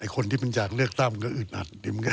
คนที่มันอยากเลือกตั้งก็อึดอัด